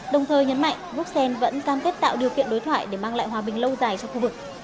đồng thời nhấn mạnh bruxelles vẫn cam kết tạo điều kiện đối thoại để mang lại hòa bình lâu dài cho khu vực